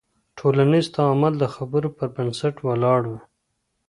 ټولنیز تعامل د خبرو پر بنسټ ولاړ وي.